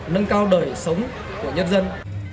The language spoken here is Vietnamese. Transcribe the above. nâng cao đời sống của nhân dân